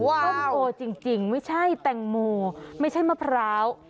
ส้มโอจริงไม่ใช่แตงโมไม่ใช่มะพร้าว